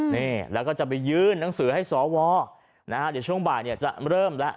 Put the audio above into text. นี่แล้วก็จะไปยื่นหนังสือให้สวนะฮะเดี๋ยวช่วงบ่ายเนี่ยจะเริ่มแล้ว